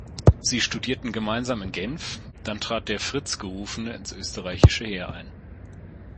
Sie studierten gemeinsam in Genf, dann trat der „Fritz“ gerufene ins österreichische Heer ein.